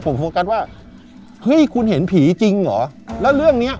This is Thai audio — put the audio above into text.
ผมโฟกัสว่าเฮ้ยคุณเห็นผีจริงเหรอแล้วเรื่องเนี้ย